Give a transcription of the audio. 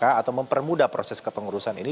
atau mempermudah proses kepengurusan ini